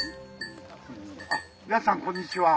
皆さんこんにちは。